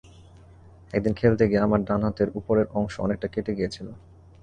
একদিন খেলতে গিয়ে আমার ডান হাতের ওপরের অংশ অনেকটা কেটে গিয়েছিল।